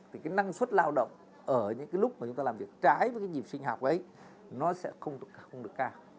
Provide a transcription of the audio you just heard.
thì cái năng suất lao động ở những cái lúc mà chúng ta làm việc trái với cái nhịp sinh học ấy nó sẽ không được cao